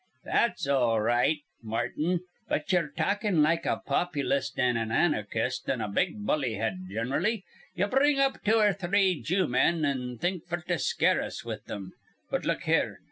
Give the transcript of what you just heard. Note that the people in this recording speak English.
"That's all r right, Martin. But ye're talkin' like a Populist an' an anarchist an' a big bullhead gen'rally. Ye bring up two or three Jew men, an' think f'r to scare us with thim. But look here.